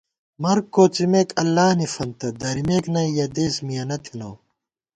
مر کوڅِمېک اللہ نی فنتہ، درِمېک نئ یَہ دېس مِیَنہ تھنہ